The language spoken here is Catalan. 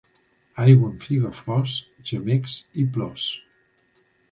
Aigua amb figaflors, gemecs i plors.